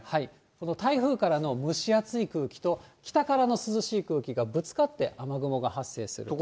この台風からの蒸し暑い空気と、北からの涼しい空気がぶつかって雨雲が発生すると。